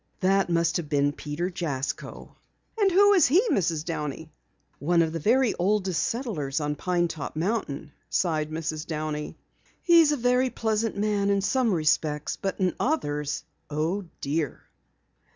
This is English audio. "That must have been Peter Jasko." "And who is he, Mrs. Downey?" "One of the oldest settlers on Pine Top Mountain," sighed Mrs. Downey. "He's a very pleasant man in some respects, but in others oh, dear."